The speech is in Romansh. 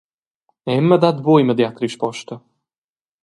Emma dat buc immediat risposta.